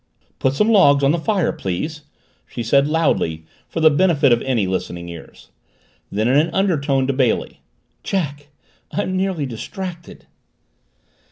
"Put some logs on the fire, please," she said loudly, for the benefit of any listening ears. Then in an undertone to Bailey, "Jack I'm nearly distracted!"